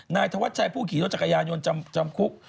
นายธวัชชัยผู้ขี่รถจักรยานยนต์จำคุก